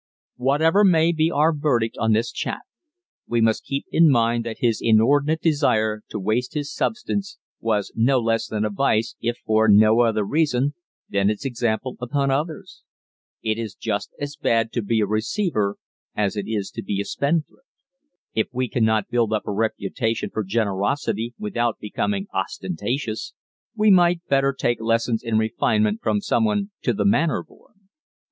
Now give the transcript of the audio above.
Whatever may be our verdict on this chap we must keep in mind that his inordinate desire to waste his substance was no less than a vice if for no other reason than its example upon others; it is just as bad to be a "receiver" as it is to be a spendthrift. If we cannot build up a reputation for generosity without becoming ostentatious we might better take lessons in refinement from someone "to the manor born."